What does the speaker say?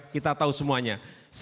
kita tahu semuanya